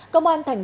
công an tp hcm